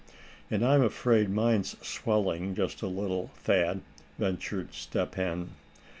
"And I'm afraid mine's swelling just a little, Thad," ventured Step Hen.